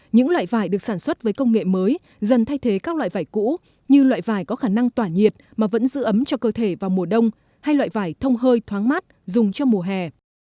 những loại vải được sản xuất với công nghệ mới dần thay thế các loại vải cũ như loại vải có khả năng tỏa nhiệt mà vẫn giữ ấm cho cơ thể vào mùa đông hay loại vải thông hơi thoáng mát dùng cho mùa hè